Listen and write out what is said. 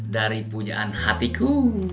dari pujaan hatiku